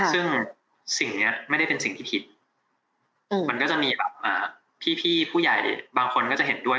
ซึ่งสิ่งนี้ไม่ได้เป็นสิ่งที่ผิดมันก็จะมีแบบพี่ผู้ใหญ่บางคนก็จะเห็นด้วย